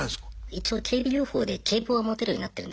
一応警備業法で警棒は持てるようになってるんですよ。